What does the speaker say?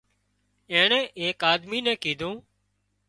اينڻي ايڪ آۮمِي نين ڪيڌون